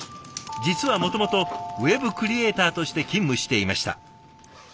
実はもともとウェブクリエーターとして勤務していました。